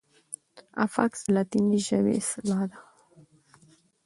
افکس د لاتیني ژبي اصطلاح ده.